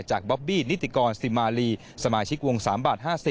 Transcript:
บ๊อบบี้นิติกรสิมาลีสมาชิกวง๓บาท๕๐